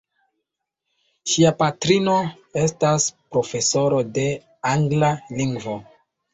Ŝia patrino estas profesoro de angla lingvo.